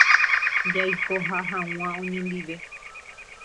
Jaikoha hag̃ua oñondive